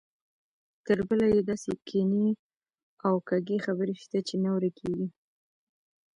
تربله یې داسې کینې او کږې خبرې شته چې نه ورکېږي.